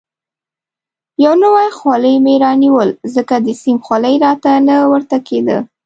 یو نوی خولۍ مې رانیول، ځکه د سیم خولۍ راته نه ورته کېده.